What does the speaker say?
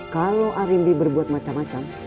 kalau arimbi berbuat macam macam